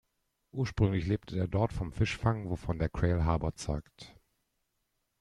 Ursprünglich lebte der Ort vom Fischfang, wovon der Crail Harbour zeugt.